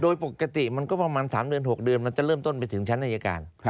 โดยปกติเป็น๓๖เดือนจะเริ่มโตนไปถึงชั้นนาฬิการ